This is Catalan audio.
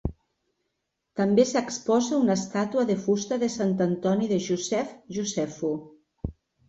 També s'exposa una estàtua de fusta de Sant Antoni de Josef Josephu.